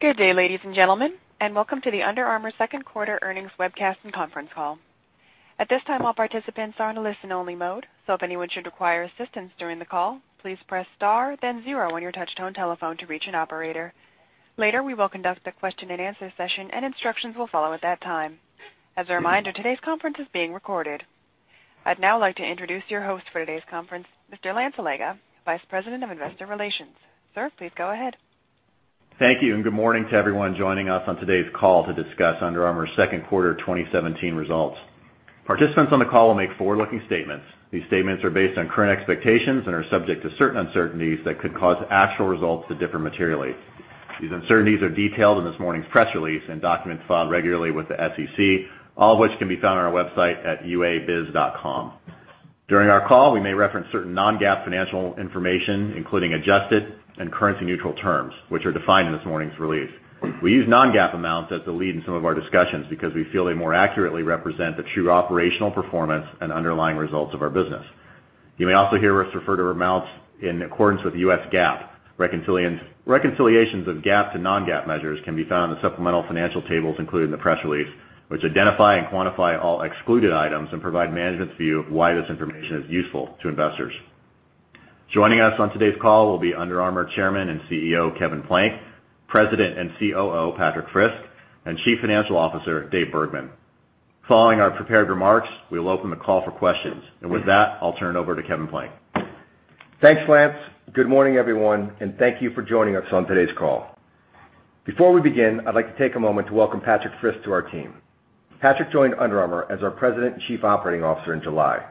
Good day, ladies and gentlemen, welcome to the Under Armour second quarter earnings webcast and conference call. At this time, all participants are in listen-only mode. If anyone should require assistance during the call, please press star then 0 on your touch-tone telephone to reach an operator. Later, we will conduct the question and answer session, instructions will follow at that time. As a reminder, today's conference is being recorded. I'd now like to introduce your host for today's conference, Mr. Lance Allega, Vice President of Investor Relations. Sir, please go ahead. Thank you, good morning to everyone joining us on today's call to discuss Under Armour's second quarter 2017 results. Participants on the call will make forward-looking statements. These statements are based on current expectations and are subject to certain uncertainties that could cause actual results to differ materially. These uncertainties are detailed in this morning's press release and documents filed regularly with the SEC, all of which can be found on our website at uabiz.com. During our call, we may reference certain non-GAAP financial information, including adjusted and currency-neutral terms, which are defined in this morning's release. We use non-GAAP amounts as the lead in some of our discussions because we feel they more accurately represent the true operational performance and underlying results of our business. You may also hear us refer to amounts in accordance with US GAAP. Reconciliations of GAAP to non-GAAP measures can be found in supplemental financial tables included in the press release, which identify and quantify all excluded items and provide management's view of why this information is useful to investors. Joining us on today's call will be Under Armour Chairman and CEO, Kevin Plank; President and COO, Patrik Frisk; and Chief Financial Officer, Dave Bergman. Following our prepared remarks, we will open the call for questions. With that, I'll turn it over to Kevin Plank. Thanks, Lance. Good morning, everyone, thank you for joining us on today's call. Before we begin, I'd like to take a moment to welcome Patrik Frisk to our team. Patrik joined Under Armour as our President and Chief Operating Officer in July.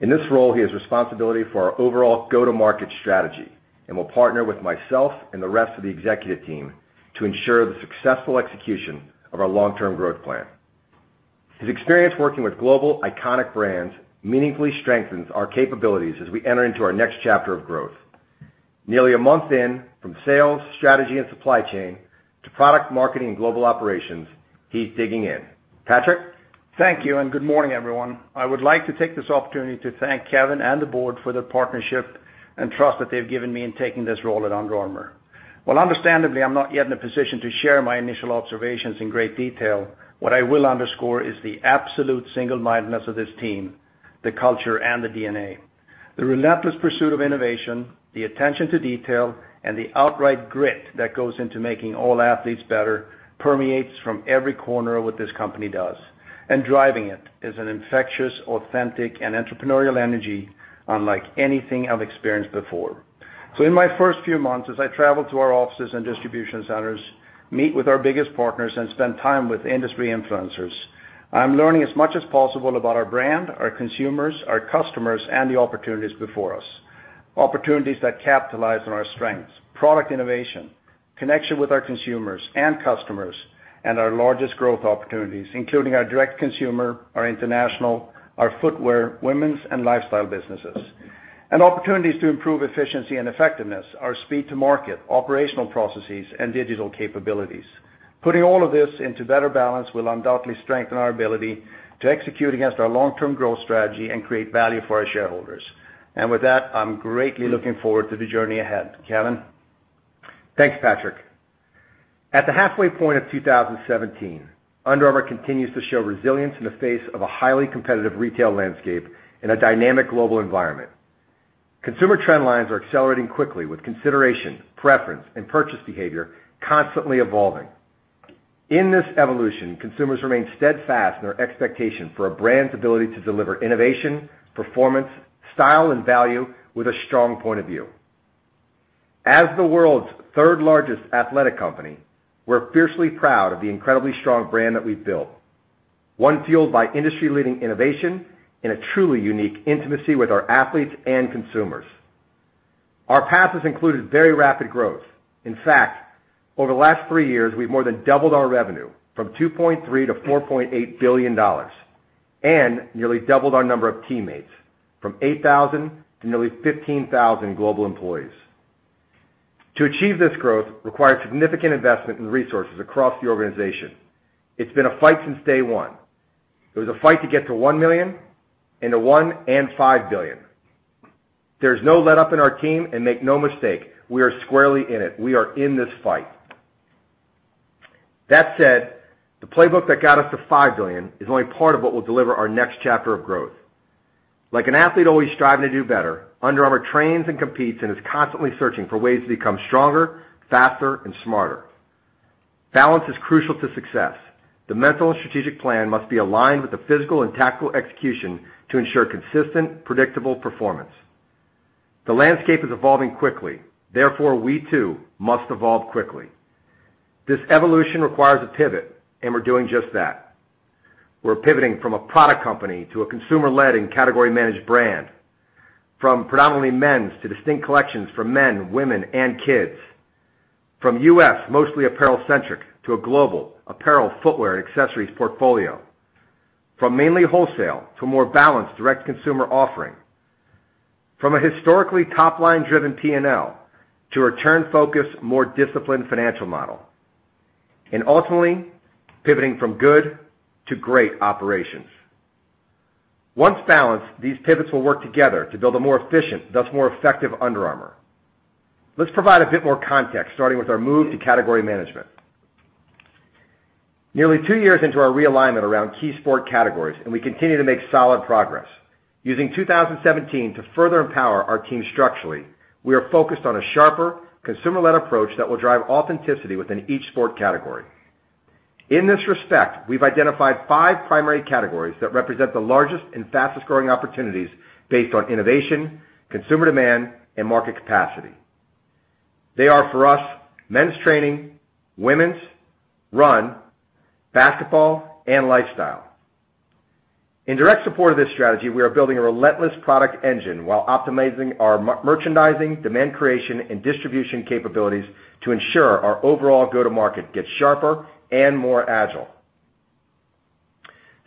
In this role, he has responsibility for our overall go-to-market strategy and will partner with myself and the rest of the executive team to ensure the successful execution of our long-term growth plan. His experience working with global iconic brands meaningfully strengthens our capabilities as we enter into our next chapter of growth. Nearly a month in, from sales, strategy, and supply chain to product marketing and global operations, he's digging in. Patrik? Thank you, and good morning, everyone. I would like to take this opportunity to thank Kevin Plank and the board for their partnership and trust that they've given me in taking this role at Under Armour. While understandably, I'm not yet in a position to share my initial observations in great detail, what I will underscore is the absolute single-mindedness of this team, the culture, and the DNA. The relentless pursuit of innovation, the attention to detail, and the outright grit that goes into making all athletes better permeates from every corner of what this company does. Driving it is an infectious, authentic, and entrepreneurial energy unlike anything I've experienced before. In my first three months as I travel to our offices and distribution centers, meet with our biggest partners, and spend time with industry influencers, I'm learning as much as possible about our brand, our consumers, our customers, and the opportunities before us. Opportunities that capitalize on our strengths, product innovation, connection with our consumers and customers, and our largest growth opportunities, including our direct consumer, our international, our footwear, women's, and lifestyle businesses. Opportunities to improve efficiency and effectiveness, our speed to market, operational processes, and digital capabilities. Putting all of this into better balance will undoubtedly strengthen our ability to execute against our long-term growth strategy and create value for our shareholders. With that, I'm greatly looking forward to the journey ahead. Kevin Plank? Thanks, Patrik Frisk. At the halfway point of 2017, Under Armour continues to show resilience in the face of a highly competitive retail landscape in a dynamic global environment. Consumer trend lines are accelerating quickly, with consideration, preference, and purchase behavior constantly evolving. In this evolution, consumers remain steadfast in their expectation for a brand's ability to deliver innovation, performance, style, and value with a strong point of view. As the world's third-largest athletic company, we're fiercely proud of the incredibly strong brand that we've built. One fueled by industry-leading innovation and a truly unique intimacy with our athletes and consumers. Our path has included very rapid growth. In fact, over the last three years, we've more than doubled our revenue from $2.3 billion to $4.8 billion and nearly doubled our number of teammates from 8,000 to nearly 15,000 global employees. To achieve this growth required significant investment in resources across the organization. It's been a fight since day one. It was a fight to get to $1 million and to $1 and $5 billion. There's no letup in our team, and make no mistake, we are squarely in it. We are in this fight. That said, the playbook that got us to $5 billion is only part of what will deliver our next chapter of growth. Like an athlete always striving to do better, Under Armour trains and competes and is constantly searching for ways to become stronger, faster, and smarter. Balance is crucial to success. The mental and strategic plan must be aligned with the physical and tactical execution to ensure consistent, predictable performance. The landscape is evolving quickly. Therefore, we too must evolve quickly. This evolution requires a pivot, and we're doing just that. We're pivoting from a product company to a consumer-led and category-managed brand. From predominantly men's to distinct collections for men, women, and kids. From U.S., mostly apparel-centric, to a global apparel, footwear, and accessories portfolio. From mainly wholesale to a more balanced direct-to-consumer offering. From a historically top-line-driven P&L to a return-focused, more disciplined financial model. Ultimately, pivoting from good to great operations. Once balanced, these pivots will work together to build a more efficient, thus more effective Under Armour. Let's provide a bit more context, starting with our move to category management. Nearly two years into our realignment around key sport categories, we continue to make solid progress. Using 2017 to further empower our team structurally, we are focused on a sharper, consumer-led approach that will drive authenticity within each sport category. In this respect, we've identified 5 primary categories that represent the largest and fastest-growing opportunities based on innovation, consumer demand, and market capacity. They are for us men's training, women's, run, basketball, and lifestyle. In direct support of this strategy, we are building a relentless product engine while optimizing our merchandising, demand creation, and distribution capabilities to ensure our overall go-to-market gets sharper and more agile.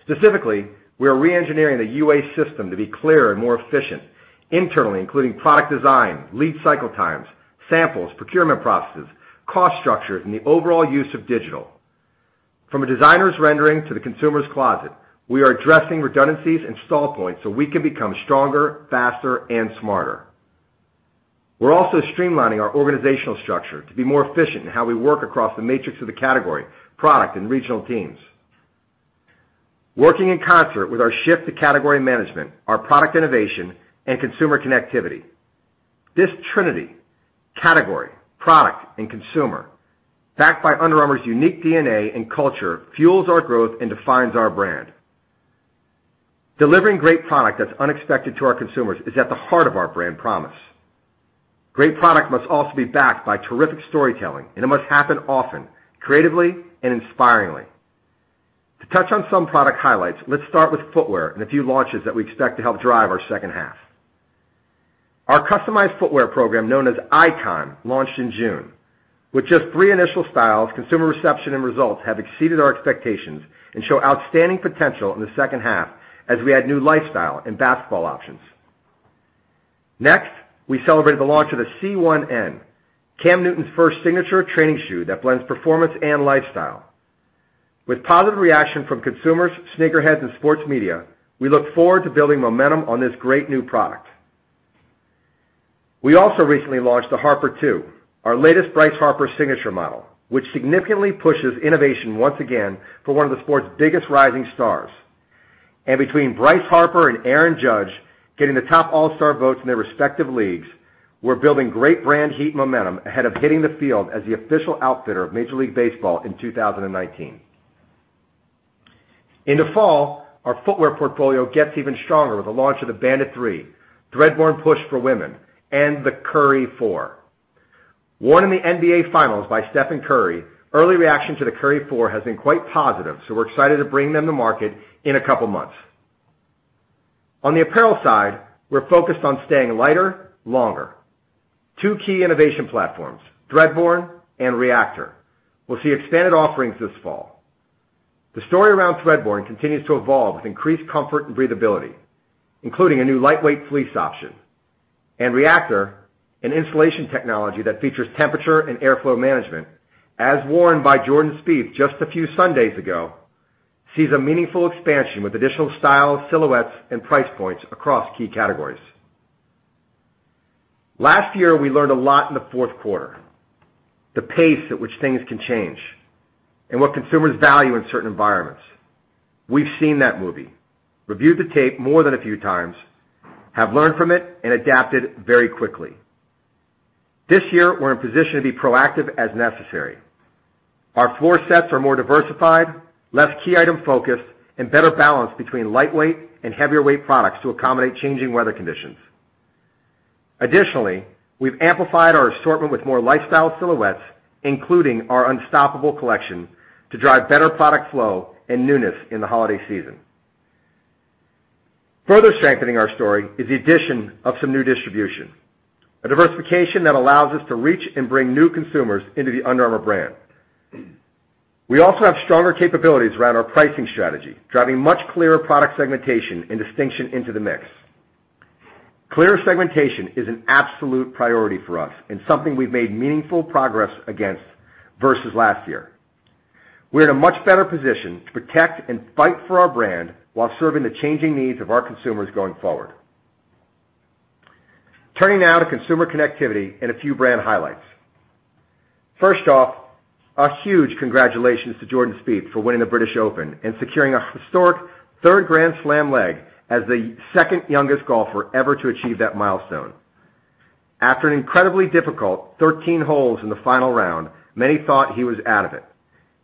Specifically, we are re-engineering the UA system to be clearer and more efficient internally, including product design, lead cycle times, samples, procurement processes, cost structures, and the overall use of digital. From a designer's rendering to the consumer's closet, we are addressing redundancies and stall points so we can become stronger, faster, and smarter. We're also streamlining our organizational structure to be more efficient in how we work across the matrix of the category, product, and regional teams. Working in concert with our shift to category management, are product innovation and consumer connectivity. This trinity, category, product, and consumer, backed by Under Armour's unique DNA and culture, fuels our growth and defines our brand. Delivering great product that's unexpected to our consumers is at the heart of our brand promise. Great product must also be backed by terrific storytelling, and it must happen often, creatively, and inspiringly. To touch on some product highlights, let's start with footwear and a few launches that we expect to help drive our second half. Our customized footwear program, known as Icon, launched in June. With just three initial styles, consumer reception and results have exceeded our expectations and show outstanding potential in the second half as we add new lifestyle and basketball options. Next, we celebrate the launch of the C1N, Cam Newton's first signature training shoe that blends performance and lifestyle. With positive reaction from consumers, sneakerheads, and sports media, we look forward to building momentum on this great new product. We also recently launched the Harper 2, our latest Bryce Harper signature model, which significantly pushes innovation once again for one of the sport's biggest rising stars. Between Bryce Harper and Aaron Judge getting the top All-Star votes in their respective leagues, we're building great brand heat momentum ahead of hitting the field as the official outfitter of Major League Baseball in 2019. In the fall, our footwear portfolio gets even stronger with the launch of the Bandit 3, Threadborne Push for women, and the Curry 4. Worn in the NBA Finals by Stephen Curry, early reaction to the Curry 4 has been quite positive, so we're excited to bring them to market in a couple of months. On the apparel side, we're focused on staying lighter, longer. Two key innovation platforms, Threadborne and Reactor, will see expanded offerings this fall. The story around Threadborne continues to evolve with increased comfort and breathability, including a new lightweight fleece option. Reactor, an insulation technology that features temperature and airflow management, as worn by Jordan Spieth just a few Sundays ago, sees a meaningful expansion with additional styles, silhouettes, and price points across key categories. Last year, we learned a lot in the fourth quarter. The pace at which things can change and what consumers value in certain environments. We've seen that movie, reviewed the tape more than a few times, have learned from it, and adapted very quickly. This year, we're in position to be proactive as necessary. Our floor sets are more diversified, less key-item focused, and better balanced between lightweight and heavier-weight products to accommodate changing weather conditions. Additionally, we've amplified our assortment with more lifestyle silhouettes, including our Unstoppable collection, to drive better product flow and newness in the holiday season. Further strengthening our story is the addition of some new distribution, a diversification that allows us to reach and bring new consumers into the Under Armour brand. We also have stronger capabilities around our pricing strategy, driving much clearer product segmentation and distinction into the mix. Clear segmentation is an absolute priority for us and something we've made meaningful progress against versus last year. We're in a much better position to protect and fight for our brand while serving the changing needs of our consumers going forward. Turning now to consumer connectivity and a few brand highlights. First off, a huge congratulations to Jordan Spieth for winning the British Open and securing a historic third Grand Slam leg as the second-youngest golfer ever to achieve that milestone. After an incredibly difficult 13 holes in the final round, many thought he was out of it.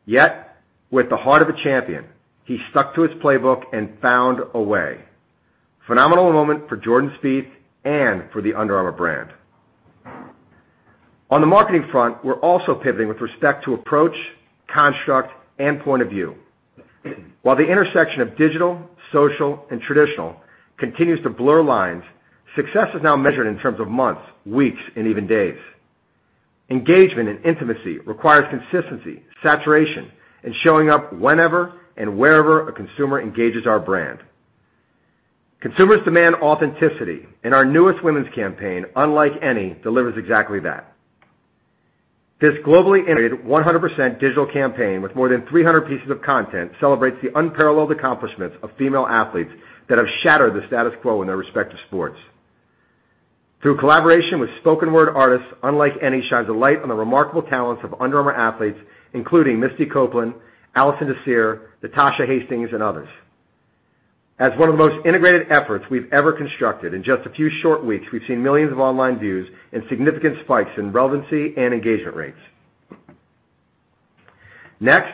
Yet, with the heart of a champion, he stuck to his playbook and found a way. Phenomenal moment for Jordan Spieth and for the Under Armour brand. On the marketing front, we're also pivoting with respect to approach, construct, and point of view. While the intersection of digital, social, and traditional continues to blur lines, success is now measured in terms of months, weeks, and even days. Engagement and intimacy requires consistency, saturation, and showing up whenever and wherever a consumer engages our brand. Consumers demand authenticity, and our newest women's campaign, Unlike Any, delivers exactly that. This globally integrated 100% digital campaign with more than 300 pieces of content celebrates the unparalleled accomplishments of female athletes that have shattered the status quo in their respective sports. Through collaboration with spoken word artists, Unlike Any shines a light on the remarkable talents of Under Armour athletes, including Misty Copeland, Alison Désir, Natasha Hastings, and others. As one of the most integrated efforts we've ever constructed, in just a few short weeks, we've seen millions of online views and significant spikes in relevancy and engagement rates. Next,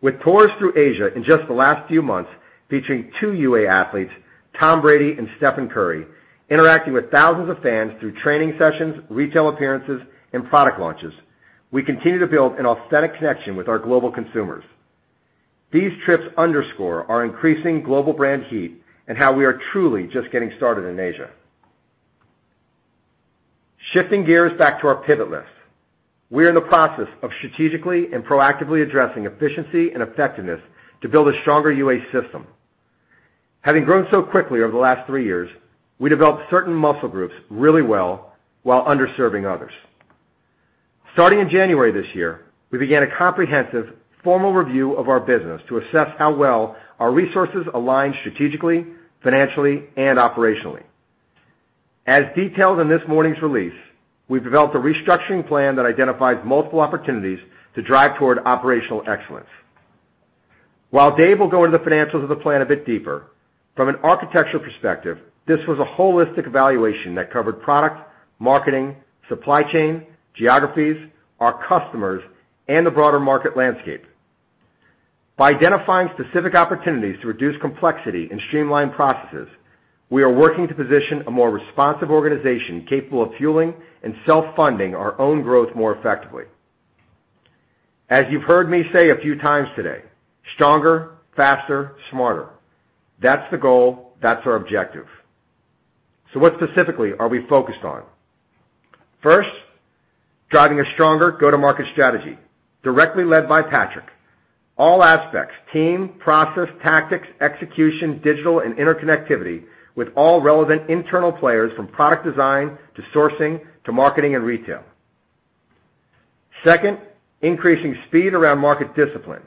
with tours through Asia in just the last few months, featuring two UA athletes, Tom Brady and Stephen Curry, interacting with thousands of fans through training sessions, retail appearances, and product launches, we continue to build an authentic connection with our global consumers. These trips underscore our increasing global brand heat and how we are truly just getting started in Asia. Shifting gears back to our pivot list. We are in the process of strategically and proactively addressing efficiency and effectiveness to build a stronger UA system. Having grown so quickly over the last 3 years, we developed certain muscle groups really well while underserving others. Starting in January this year, we began a comprehensive formal review of our business to assess how well our resources align strategically, financially, and operationally. As detailed in this morning's release, we've developed a restructuring plan that identifies multiple opportunities to drive toward operational excellence. While Dave will go into the financials of the plan a bit deeper, from an architectural perspective, this was a holistic evaluation that covered product, marketing, supply chain, geographies, our customers, and the broader market landscape. By identifying specific opportunities to reduce complexity and streamline processes, we are working to position a more responsive organization capable of fueling and self-funding our own growth more effectively. As you've heard me say a few times today, stronger, faster, smarter. That's the goal. That's our objective. What specifically are we focused on? First, driving a stronger go-to-market strategy directly led by Patrik. All aspects, team, process, tactics, execution, digital, and interconnectivity with all relevant internal players from product design to sourcing to marketing and retail. Second, increasing speed around market discipline,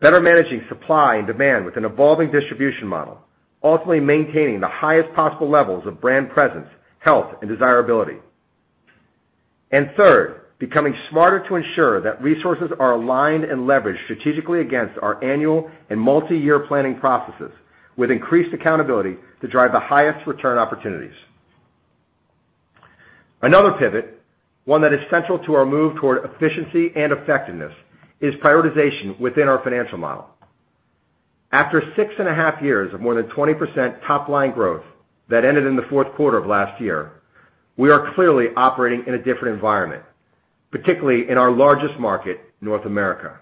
better managing supply and demand with an evolving distribution model, ultimately maintaining the highest possible levels of brand presence, health, and desirability. Third, becoming smarter to ensure that resources are aligned and leveraged strategically against our annual and multi-year planning processes with increased accountability to drive the highest return opportunities. Another pivot, one that is central to our move toward efficiency and effectiveness, is prioritization within our financial model. After six and a half years of more than 20% top-line growth that ended in the fourth quarter of last year, we are clearly operating in a different environment, particularly in our largest market, North America.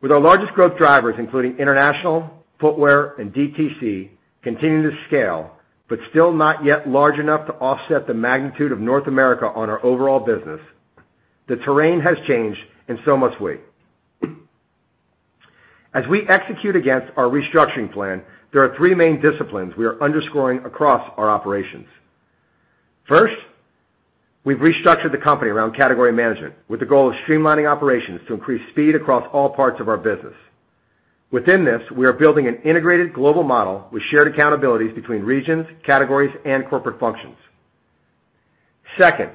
With our largest growth drivers, including international, footwear, and DTC, continuing to scale, but still not yet large enough to offset the magnitude of North America on our overall business, the terrain has changed, and so must we. As we execute against our restructuring plan, there are three main disciplines we are underscoring across our operations. First, we've restructured the company around category management with the goal of streamlining operations to increase speed across all parts of our business. Within this, we are building an integrated global model with shared accountabilities between regions, categories, and corporate functions. Second,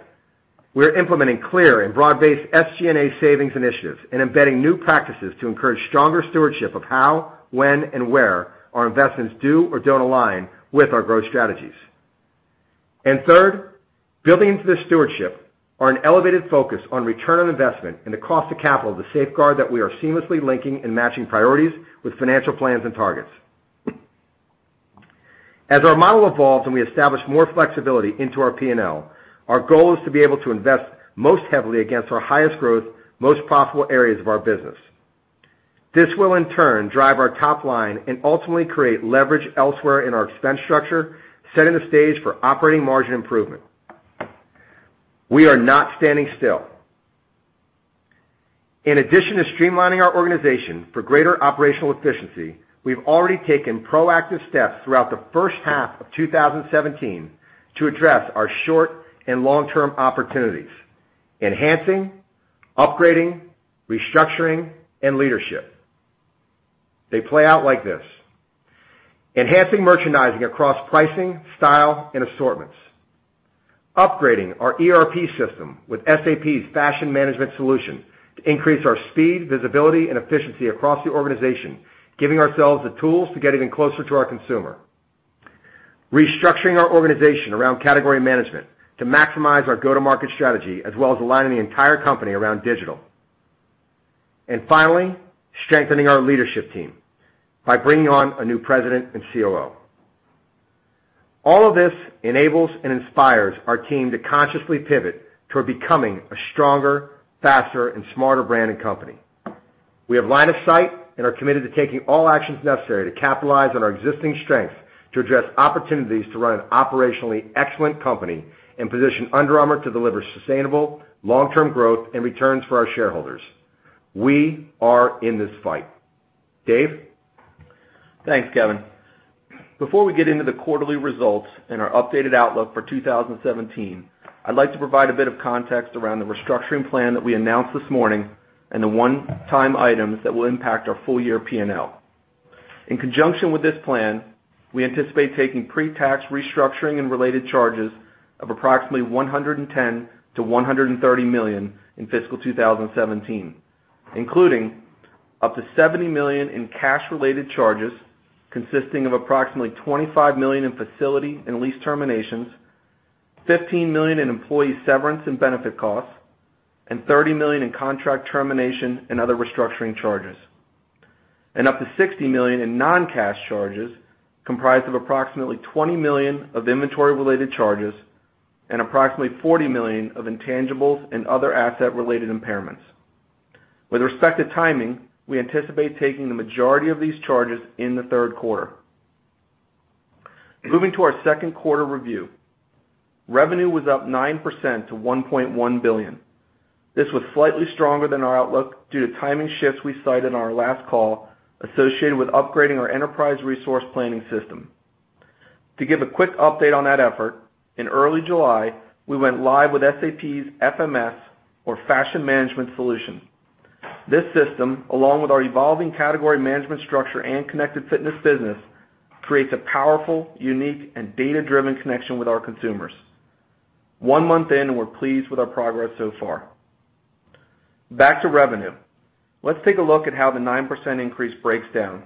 we are implementing clear and broad-based SG&A savings initiatives and embedding new practices to encourage stronger stewardship of how, when, and where our investments do or don't align with our growth strategies. Third, building into this stewardship are an elevated focus on return on investment and the cost of capital to safeguard that we are seamlessly linking and matching priorities with financial plans and targets. As our model evolves and we establish more flexibility into our P&L, our goal is to be able to invest most heavily against our highest growth, most profitable areas of our business. This will, in turn, drive our top line and ultimately create leverage elsewhere in our expense structure, setting the stage for operating margin improvement. We are not standing still. In addition to streamlining our organization for greater operational efficiency, we've already taken proactive steps throughout the first half of 2017 to address our short- and long-term opportunities, enhancing, upgrading, restructuring, and leadership. They play out like this. Enhancing merchandising across pricing, style, and assortments. Upgrading our ERP system with SAP's Fashion Management Solution to increase our speed, visibility, and efficiency across the organization, giving ourselves the tools to get even closer to our consumer. Restructuring our organization around category management to maximize our go-to-market strategy, as well as aligning the entire company around digital. Finally, strengthening our leadership team by bringing on a new president and COO. All of this enables and inspires our team to consciously pivot toward becoming a stronger, faster, and smarter brand and company. We have line of sight and are committed to taking all actions necessary to capitalize on our existing strengths to address opportunities to run an operationally excellent company and position Under Armour to deliver sustainable long-term growth and returns for our shareholders. We are in this fight. Dave? Thanks, Kevin. Before we get into the quarterly results and our updated outlook for 2017, I'd like to provide a bit of context around the restructuring plan that we announced this morning and the one-time items that will impact our full-year P&L. In conjunction with this plan, we anticipate taking pre-tax restructuring and related charges of approximately $110 million-$130 million in fiscal 2017, including up to $70 million in cash-related charges, consisting of approximately $25 million in facility and lease terminations, $15 million in employee severance and benefit costs, and $30 million in contract termination and other restructuring charges. Up to $60 million in non-cash charges, comprised of approximately $20 million of inventory-related charges and approximately $40 million of intangibles and other asset-related impairments. With respect to timing, we anticipate taking the majority of these charges in the third quarter. Moving to our second quarter review. Revenue was up 9% to $1.1 billion. This was slightly stronger than our outlook due to timing shifts we cited on our last call associated with upgrading our enterprise resource planning system. To give a quick update on that effort, in early July, we went live with SAP's FMS, or Fashion Management Solution. This system, along with our evolving category management structure and Connected Fitness business, creates a powerful, unique, and data-driven connection with our consumers. One month in, we're pleased with our progress so far. Back to revenue. Let's take a look at how the 9% increase breaks down.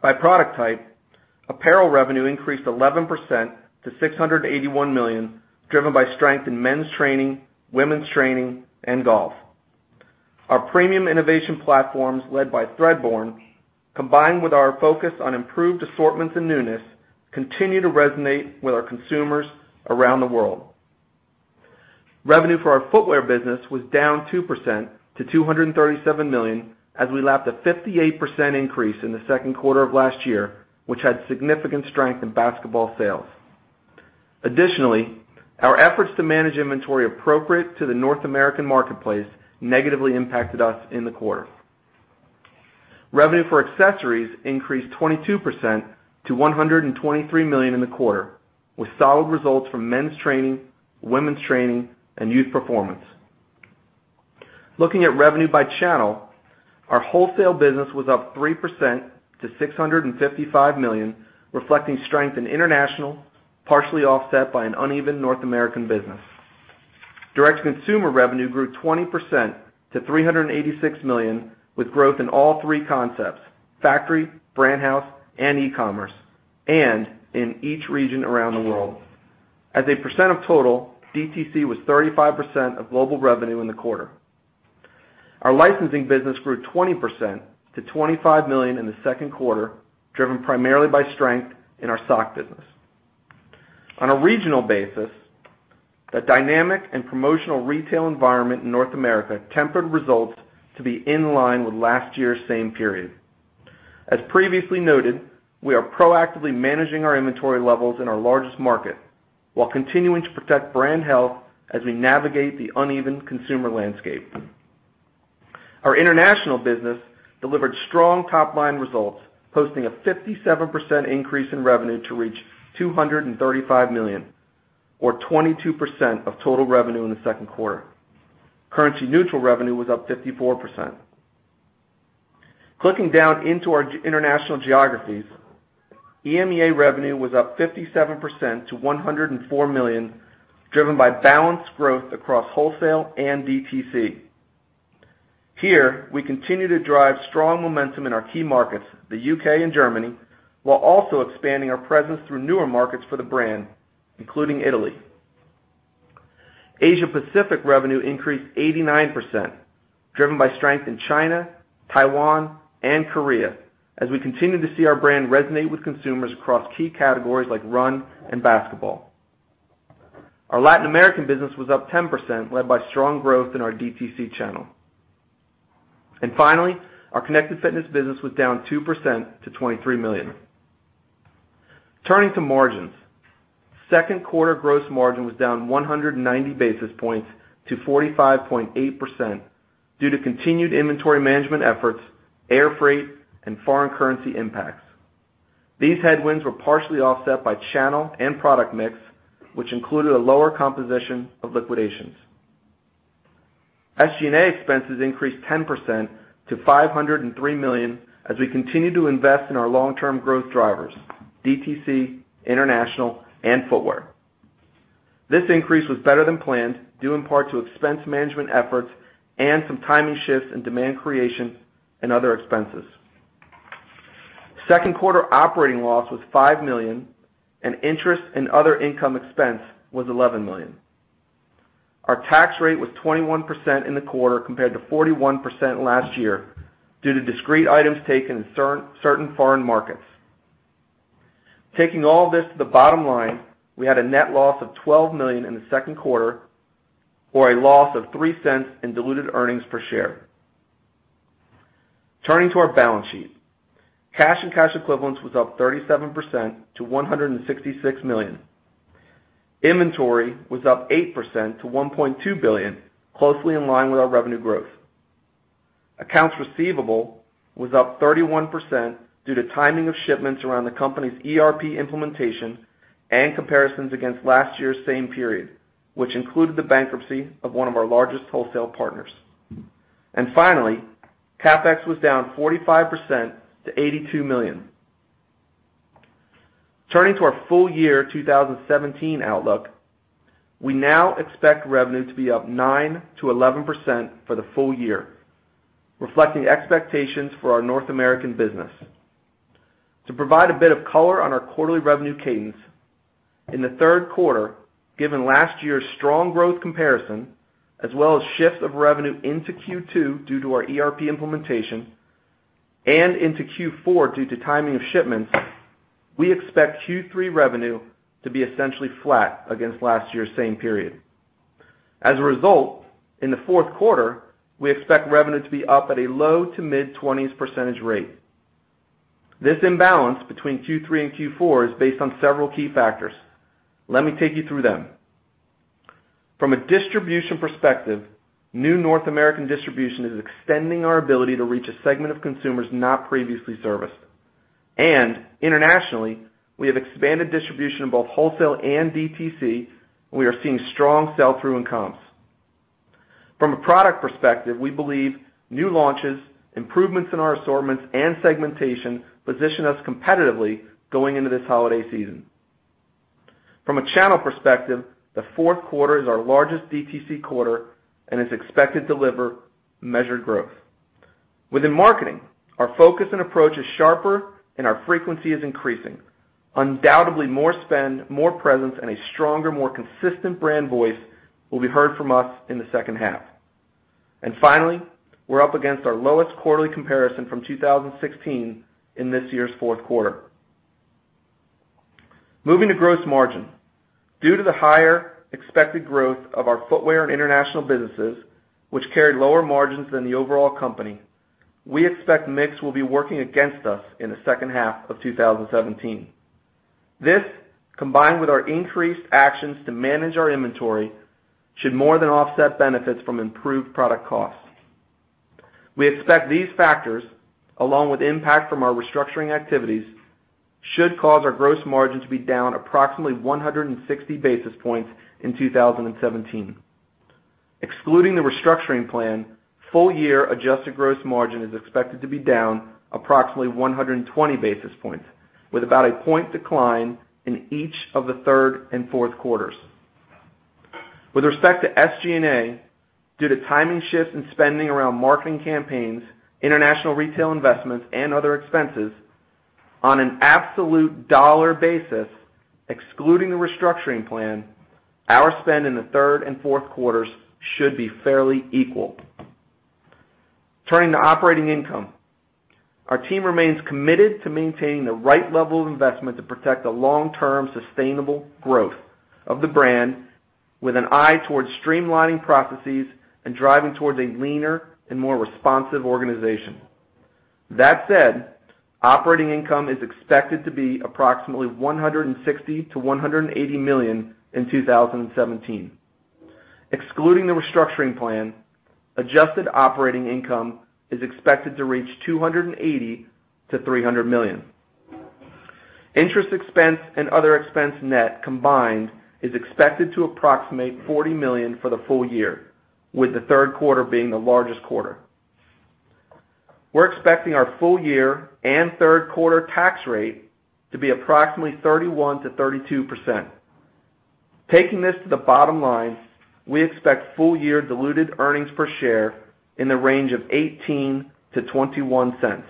By product type, apparel revenue increased 11% to $681 million, driven by strength in men's training, women's training, and golf. Our premium innovation platforms led by Threadborne, combined with our focus on improved assortments and newness, continue to resonate with our consumers around the world. Revenue for our footwear business was down 2% to $237 million, as we lapped a 58% increase in the second quarter of last year, which had significant strength in basketball sales. Additionally, our efforts to manage inventory appropriate to the North American marketplace negatively impacted us in the quarter. Revenue for accessories increased 22% to $123 million in the quarter, with solid results from men's training, women's training, and youth performance. Looking at revenue by channel, our wholesale business was up 3% to $655 million, reflecting strength in international, partially offset by an uneven North American business. Direct consumer revenue grew 20% to $386 million, with growth in all three concepts: Factory, Brand House, and e-commerce, and in each region around the world. As a percent of total, DTC was 35% of global revenue in the quarter. Our licensing business grew 20% to $25 million in the second quarter, driven primarily by strength in our sock business. On a regional basis, a dynamic and promotional retail environment in North America tempered results to be in line with last year's same period. As previously noted, we are proactively managing our inventory levels in our largest market while continuing to protect brand health as we navigate the uneven consumer landscape. Our international business delivered strong top-line results, posting a 57% increase in revenue to reach $235 million, or 22% of total revenue in the second quarter. Currency-neutral revenue was up 54%. Clicking down into our international geographies, EMEA revenue was up 57% to $104 million, driven by balanced growth across wholesale and DTC. Here, we continue to drive strong momentum in our key markets, the U.K. and Germany, while also expanding our presence through newer markets for the brand, including Italy. Asia Pacific revenue increased 89%, driven by strength in China, Taiwan, and Korea, as we continue to see our brand resonate with consumers across key categories like run and basketball. Our Latin American business was up 10%, led by strong growth in our DTC channel. Finally, our Connected Fitness business was down 2% to $23 million. Turning to margins. Second quarter gross margin was down 190 basis points to 45.8% due to continued inventory management efforts, air freight, and foreign currency impacts. These headwinds were partially offset by channel and product mix, which included a lower composition of liquidations. SG&A expenses increased 10% to $503 million as we continue to invest in our long-term growth drivers: DTC, international, and footwear. This increase was better than planned, due in part to expense management efforts and some timing shifts in demand creation and other expenses. Second quarter operating loss was $5 million. Interest and other income expense was $11 million. Our tax rate was 21% in the quarter compared to 41% last year due to discrete items taken in certain foreign markets. Taking all this to the bottom line, we had a net loss of $12 million in the second quarter, or a loss of $0.03 in diluted earnings per share. Turning to our balance sheet. Cash and cash equivalents was up 37% to $166 million. Inventory was up 8% to $1.2 billion, closely in line with our revenue growth. Accounts receivable was up 31% due to timing of shipments around the company's ERP implementation and comparisons against last year's same period, which included the bankruptcy of one of our largest wholesale partners. CapEx was down 45% to $82 million. Turning to our full year 2017 outlook, we now expect revenue to be up 9%-11% for the full year, reflecting expectations for our North American business. To provide a bit of color on our quarterly revenue cadence, in the third quarter, given last year's strong growth comparison as well as shifts of revenue into Q2 due to our ERP implementation and into Q4 due to timing of shipments, we expect Q3 revenue to be essentially flat against last year's same period. As a result, in the fourth quarter, we expect revenue to be up at a low to mid-20s percentage rate. This imbalance between Q3 and Q4 is based on several key factors. Let me take you through them. From a distribution perspective, new North American distribution is extending our ability to reach a segment of consumers not previously serviced. Internationally, we have expanded distribution in both wholesale and DTC, and we are seeing strong sell-through and comps. From a product perspective, we believe new launches, improvements in our assortments, and segmentation position us competitively going into this holiday season. From a channel perspective, the fourth quarter is our largest DTC quarter and is expected to deliver measured growth. Within marketing, our focus and approach is sharper, and our frequency is increasing. Undoubtedly, more spend, more presence, and a stronger, more consistent brand voice will be heard from us in the second half. Finally, we're up against our lowest quarterly comparison from 2016 in this year's fourth quarter. Moving to gross margin. Due to the higher expected growth of our footwear and international businesses, which carried lower margins than the overall company, we expect mix will be working against us in the second half of 2017. This, combined with our increased actions to manage our inventory, should more than offset benefits from improved product costs. We expect these factors, along with impact from our restructuring activities, should cause our gross margin to be down approximately 160 basis points in 2017. Excluding the restructuring plan, full year adjusted gross margin is expected to be down approximately 120 basis points, with about a point decline in each of the third and fourth quarters. With respect to SG&A, due to timing shifts in spending around marketing campaigns, international retail investments, and other expenses, on an absolute dollar basis, excluding the restructuring plan, our spend in the third and fourth quarters should be fairly equal. Turning to operating income. Our team remains committed to maintaining the right level of investment to protect the long-term sustainable growth of the brand, with an eye toward streamlining processes and driving towards a leaner and more responsive organization. That said, operating income is expected to be approximately $160 million-$180 million in 2017. Excluding the restructuring plan, adjusted operating income is expected to reach $280 million-$300 million. Interest expense and other expense net combined is expected to approximate $40 million for the full year, with the third quarter being the largest quarter. We're expecting our full year and third quarter tax rate to be approximately 31%-32%. Taking this to the bottom line, we expect full year diluted earnings per share in the range of $0.18-$0.21.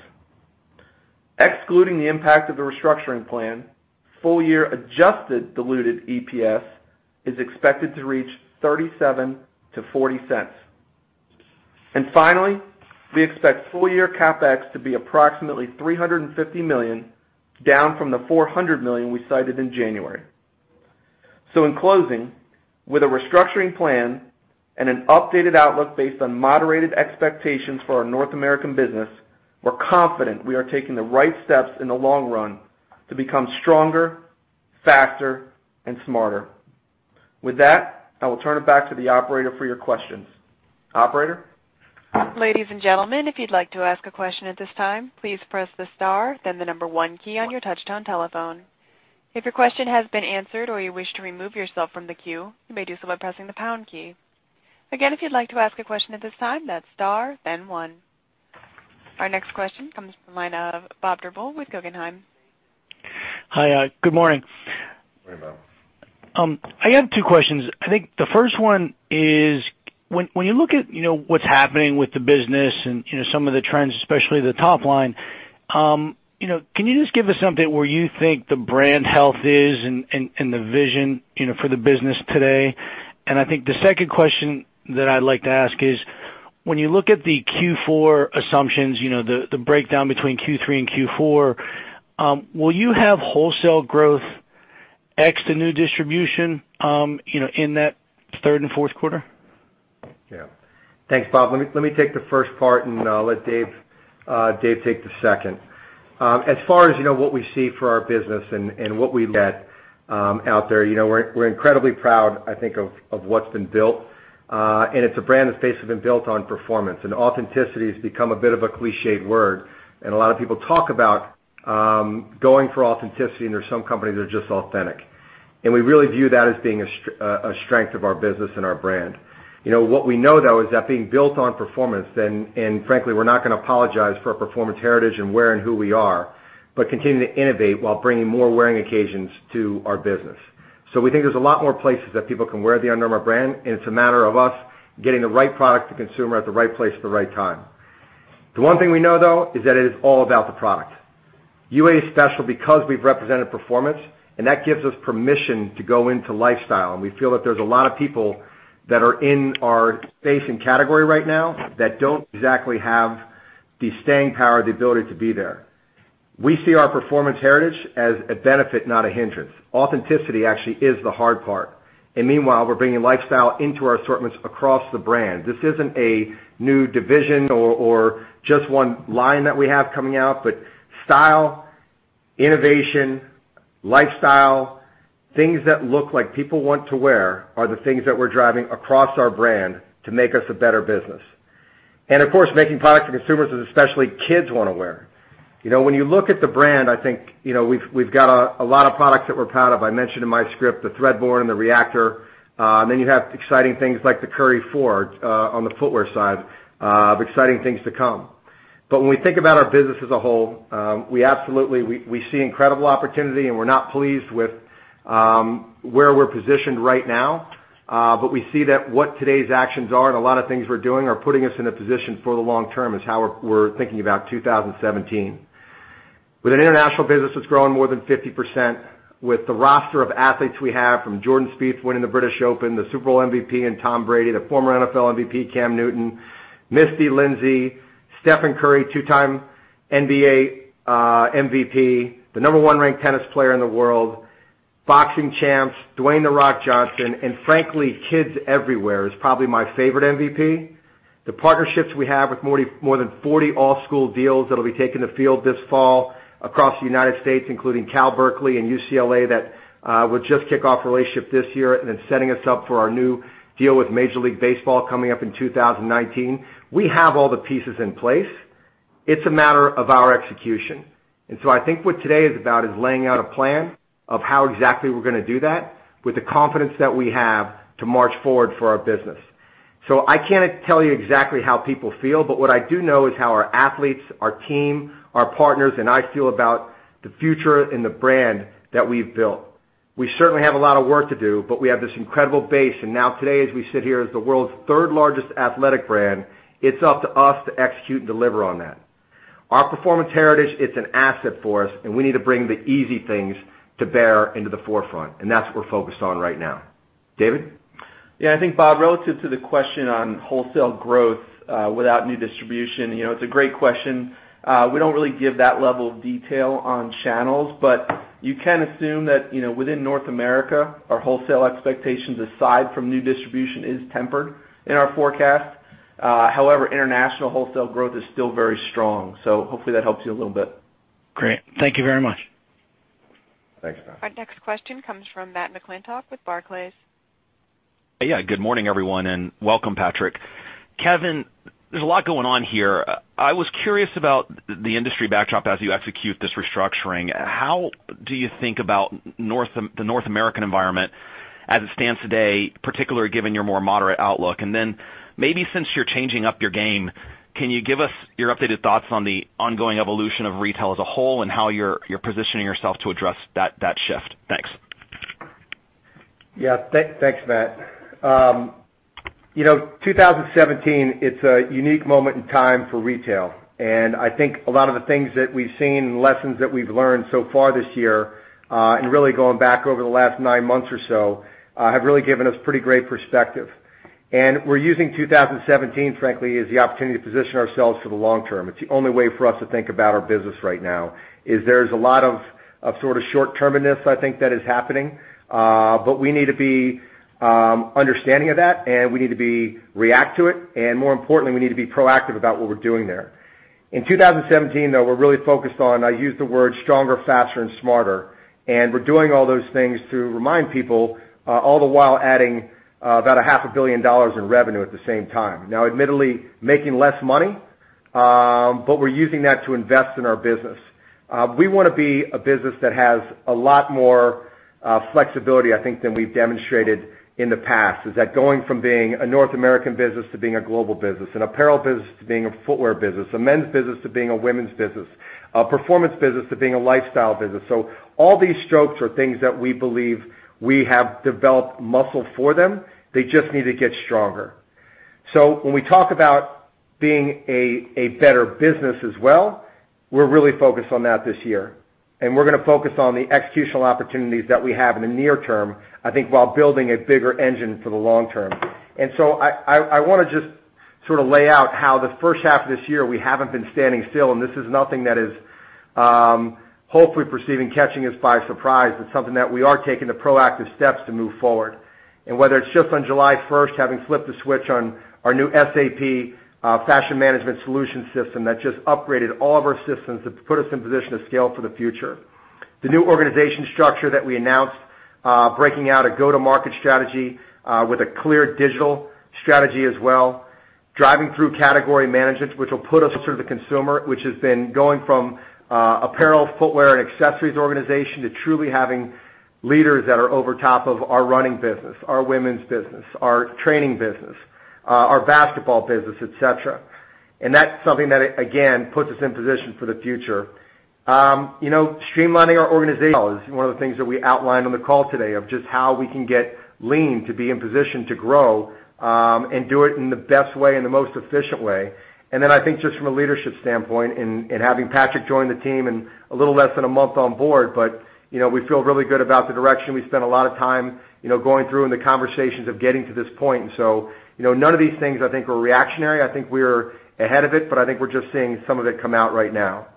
Excluding the impact of the restructuring plan, full year adjusted diluted EPS is expected to reach $0.37-$0.40. Finally, we expect full year CapEx to be approximately $350 million, down from the $400 million we cited in January. In closing, with a restructuring plan and an updated outlook based on moderated expectations for our North American business, we're confident we are taking the right steps in the long run to become stronger, faster, and smarter. With that, I will turn it back to the operator for your questions. Operator? Ladies and gentlemen, if you'd like to ask a question at this time, please press the star then the number one key on your touchtone telephone. If your question has been answered or you wish to remove yourself from the queue, you may do so by pressing the pound key. Again, if you'd like to ask a question at this time, that's star then one. Our next question comes from the line of Bob Drbul with Guggenheim. Hi. Good morning. Good morning, Bob. I have two questions. I think the first one is, when you look at what's happening with the business and some of the trends, especially the top line, can you just give us something where you think the brand health is and the vision for the business today? I think the second question that I'd like to ask is, when you look at the Q4 assumptions, the breakdown between Q3 and Q4, will you have wholesale growth ex the new distribution in that third and fourth quarter? Yeah. Thanks, Bob. Let me take the first part, and I'll let Dave take the second. As far as what we see for our business and what we let out there, we're incredibly proud, I think, of what's been built. It's a brand and space that's been built on performance. Authenticity has become a bit of a clichéd word, and a lot of people talk about going for authenticity, and there are some companies that are just authentic. We really view that as being a strength of our business and our brand. What we know, though, is that being built on performance, and frankly, we're not going to apologize for our performance heritage and where and who we are, but continue to innovate while bringing more wearing occasions to our business. We think there's a lot more places that people can wear the Under Armour brand, and it's a matter of us getting the right product to consumer at the right place at the right time. The one thing we know, though, is that it is all about the product. UA is special because we've represented performance, and that gives us permission to go into lifestyle, and we feel that there's a lot of people that are in our space and category right now that don't exactly have the staying power, the ability to be there. We see our performance heritage as a benefit, not a hindrance. Authenticity actually is the hard part. Meanwhile, we're bringing lifestyle into our assortments across the brand. This isn't a new division or just one line that we have coming out, but style, innovation, lifestyle, things that look like people want to wear are the things that we're driving across our brand to make us a better business. Of course, making products for consumers that especially kids want to wear. When you look at the brand, I think, we've got a lot of products that we're proud of. I mentioned in my script the Threadborne and the Reactor. You have exciting things like the Curry 4 on the footwear side of exciting things to come. When we think about our business as a whole, we absolutely see incredible opportunity, and we're not pleased with where we're positioned right now. We see that what today's actions are and a lot of things we're doing are putting us in a position for the long term is how we're thinking about 2017. With an international business that's growing more than 50%, with the roster of athletes we have from Jordan Spieth winning the British Open, the Super Bowl MVP in Tom Brady, the former NFL MVP Cam Newton, Misty Copeland, Stephen Curry, two-time NBA MVP, the number one-ranked tennis player in the world, boxing champs, Dwayne The Rock Johnson, and frankly, kids everywhere is probably my favorite MVP. The partnerships we have with more than 40 all-school deals that'll be taking the field this fall across the U.S., including Cal Berkeley and UCLA, that will just kick off a relationship this year, and then setting us up for our new deal with Major League Baseball coming up in 2019. We have all the pieces in place. It's a matter of our execution. I think what today is about is laying out a plan of how exactly we're going to do that with the confidence that we have to march forward for our business. I can't tell you exactly how people feel, but what I do know is how our athletes, our team, our partners, and I feel about the future and the brand that we've built. We certainly have a lot of work to do, but we have this incredible base. Now today, as we sit here as the world's third-largest athletic brand, it's up to us to execute and deliver on that. Our performance heritage, it's an asset for us, and we need to bring the easy things to bear into the forefront, and that's what we're focused on right now. Dave? I think, Bob, relative to the question on wholesale growth without new distribution, it's a great question. We don't really give that level of detail on channels, but you can assume that within North America, our wholesale expectations, aside from new distribution, is tempered in our forecast. However, international wholesale growth is still very strong. Hopefully that helps you a little bit. Great. Thank you very much. Thanks, Bob. Our next question comes from Matthew McClintock with Barclays. Yeah. Good morning, everyone, welcome, Patrik. Kevin, there's a lot going on here. I was curious about the industry backdrop as you execute this restructuring. How do you think about the North American environment as it stands today, particularly given your more moderate outlook? Maybe since you're changing up your game, can you give us your updated thoughts on the ongoing evolution of retail as a whole and how you're positioning yourself to address that shift? Thanks. Yeah. Thanks, Matt. 2017, it's a unique moment in time for retail, and I think a lot of the things that we've seen and lessons that we've learned so far this year, and really going back over the last nine months or so, have really given us pretty great perspective. We're using 2017, frankly, as the opportunity to position ourselves for the long term. It's the only way for us to think about our business right now, is there's a lot of sort of short-term in this, I think, that is happening. We need to be understanding of that, and we need to react to it, and more importantly, we need to be proactive about what we're doing there. In 2017, though, we're really focused on, I use the word stronger, faster, and smarter. We're doing all those things to remind people, all the while adding about a half a billion dollars in revenue at the same time. Admittedly, making less money, but we're using that to invest in our business. We want to be a business that has a lot more flexibility, I think, than we've demonstrated in the past. That going from being a North American business to being a global business, an apparel business to being a footwear business, a men's business to being a women's business, a performance business to being a lifestyle business. All these strokes are things that we believe we have developed muscle for them. They just need to get stronger. When we talk about being a better business as well, we're really focused on that this year, we're going to focus on the executional opportunities that we have in the near term, I think, while building a bigger engine for the long term. I want to just sort of lay out how the first half of this year, we haven't been standing still, and this is nothing that is Hopefully perceiving catching us by surprise is something that we are taking the proactive steps to move forward. Whether it's just on July 1st, having flipped the switch on our new SAP Fashion Management Solution system that just upgraded all of our systems to put us in position to scale for the future. The new organization structure that we announced, breaking out a go-to-market strategy with a clear digital strategy as well, driving through category management, which will put us to the consumer, which has been going from apparel, footwear, and accessories organization, to truly having leaders that are over top of our running business, our women's business, our training business, our basketball business, et cetera. That's something that, again, puts us in position for the future. Streamlining our organization is one of the things that we outlined on the call today of just how we can get lean to be in position to grow, and do it in the best way, in the most efficient way. I think just from a leadership standpoint and having Patrik join the team and a little less than a month on board, but we feel really good about the direction. We spent a lot of time going through in the conversations of getting to this point. None of these things I think were reactionary. I think we're ahead of it, but I think we're just seeing some of it come out right now.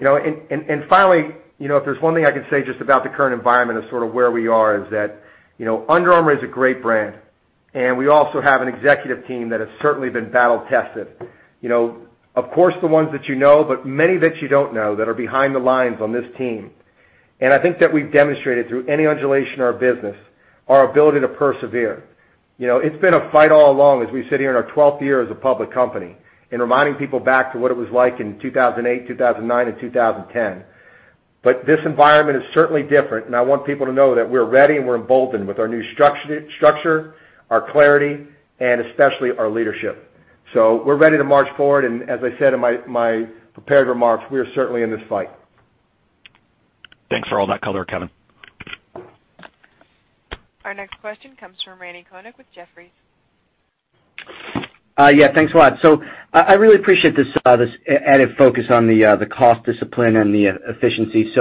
Finally, if there's one thing I can say just about the current environment of sort of where we are is that, Under Armour is a great brand, we also have an executive team that has certainly been battle-tested. Of course, the ones that you know, but many that you don't know that are behind the lines on this team. I think that we've demonstrated through any undulation in our business, our ability to persevere. It's been a fight all along as we sit here in our 12th year as a public company and reminding people back to what it was like in 2008, 2009, and 2010. This environment is certainly different, and I want people to know that we're ready and we're emboldened with our new structure, our clarity, and especially our leadership. We're ready to march forward, and as I said in my prepared remarks, we are certainly in this fight. Thanks for all that color, Kevin. Our next question comes from Randal Konik with Jefferies. Yeah, thanks a lot. I really appreciate this added focus on the cost discipline and the efficiency.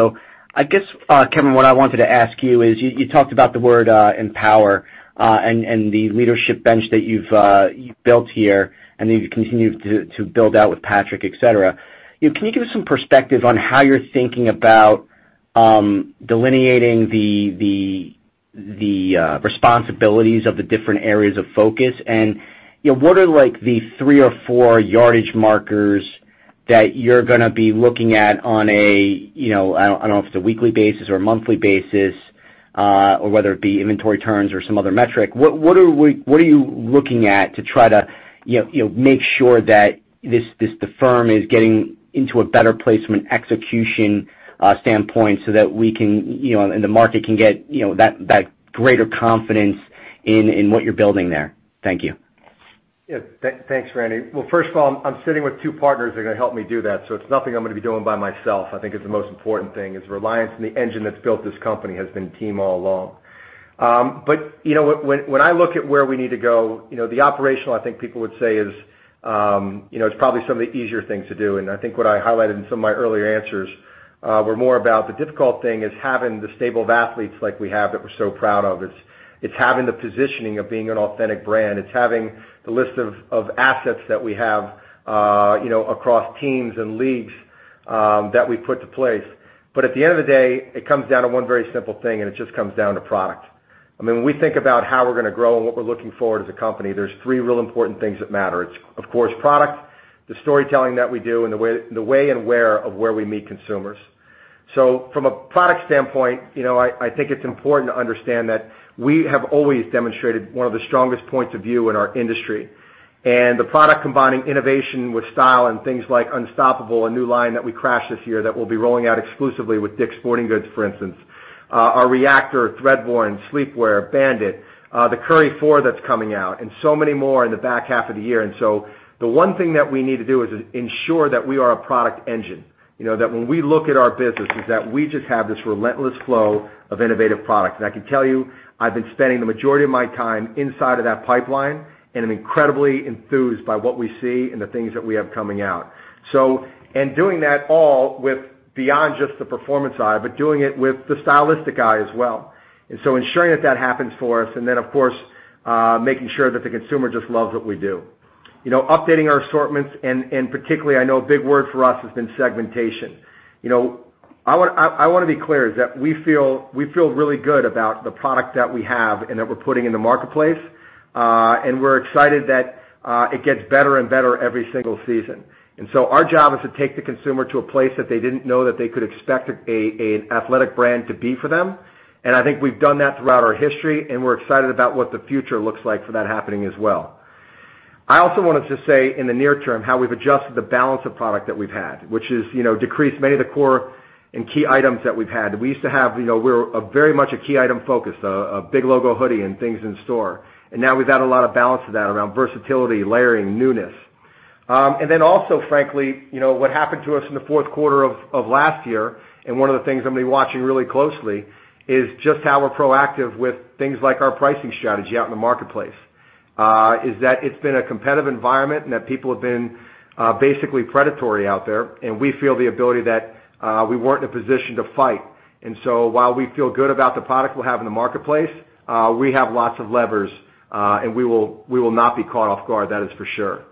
I guess, Kevin, what I wanted to ask you is, you talked about the word empower, and the leadership bench that you've built here and that you continue to build out with Patrik, et cetera. Can you give us some perspective on how you're thinking about delineating the responsibilities of the different areas of focus? What are the three or four yardage markers that you're going to be looking at on a, I don't know if it's a weekly basis or a monthly basis, or whether it be inventory turns or some other metric. What are you looking at to try to make sure that the firm is getting into a better place from an execution standpoint so that we can, and the market can get that greater confidence in what you're building there? Thank you. Yeah. Thanks, Randy. First of all, I'm sitting with two partners that are going to help me do that, so it's nothing I'm going to be doing by myself, I think is the most important thing, is reliance on the engine that's built this company has been team all along. When I look at where we need to go, the operational, I think people would say is, it's probably some of the easier things to do. I think what I highlighted in some of my earlier answers, were more about the difficult thing is having the stable of athletes like we have that we're so proud of. It's having the positioning of being an authentic brand. It's having the list of assets that we have across teams and leagues that we put to place. At the end of the day, it comes down to one very simple thing, and it just comes down to product. When we think about how we're going to grow and what we're looking for as a company, there's three real important things that matter. It's of course product, the storytelling that we do, and the way and where of where we meet consumers. From a product standpoint, I think it's important to understand that we have always demonstrated one of the strongest points of view in our industry. The product combining innovation with style and things like Unstoppable, a new line that we crash] this year that we'll be rolling out exclusively with Dick's Sporting Goods, for instance. Our Reactor, Threadborne, sleepwear, Bandit, the Curry 4 that's coming out, and so many more in the back half of the year. The one thing that we need to do is ensure that we are a product engine. That when we look at our business, is that we just have this relentless flow of innovative product. I can tell you, I've been spending the majority of my time inside of that pipeline, and I'm incredibly enthused by what we see and the things that we have coming out. Doing that all with beyond just the performance eye, but doing it with the stylistic eye as well. Ensuring that that happens for us, and then of course, making sure that the consumer just loves what we do. Updating our assortments, particularly, I know a big word for us has been segmentation. I want to be clear, is that we feel really good about the product that we have and that we're putting in the marketplace. We're excited that it gets better and better every single season. Our job is to take the consumer to a place that they didn't know that they could expect an athletic brand to be for them. I think we've done that throughout our history, and we're excited about what the future looks like for that happening as well. I also wanted to say, in the near term, how we've adjusted the balance of product that we've had, which is decrease many of the core and key items that we've had. We were very much a key item focus, a big logo hoodie and things in store. Now we've had a lot of balance of that around versatility, layering, newness. Also, frankly, what happened to us in the fourth quarter of last year, and one of the things I'm going to be watching really closely is just how we're proactive with things like our pricing strategy out in the marketplace. It's been a competitive environment and that people have been basically predatory out there, and we feel the ability that we weren't in a position to fight. While we feel good about the product we'll have in the marketplace, we have lots of levers, and we will not be caught off guard, that is for sure.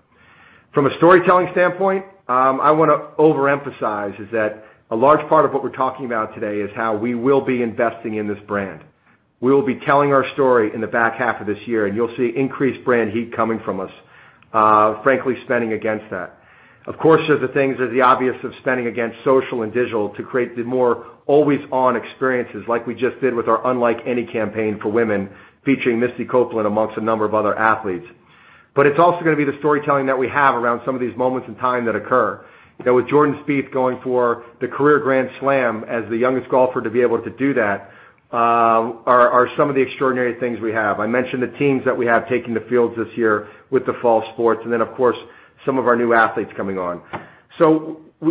From a storytelling standpoint, I want to overemphasize is that a large part of what we're talking about today is how we will be investing in this brand. We will be telling our story in the back half of this year. You'll see increased brand heat coming from us, frankly, spending against that. Of course, there's the things that are the obvious of spending against social and digital to create the more always-on experiences like we just did with our Unlike Any campaign for women, featuring Misty Copeland amongst a number of other athletes. It's also going to be the storytelling that we have around some of these moments in time that occur. That with Jordan Spieth going for the career Grand Slam as the youngest golfer to be able to do that, are some of the extraordinary things we have. I mentioned the teams that we have taking the fields this year with the fall sports, and then, of course, some of our new athletes coming on.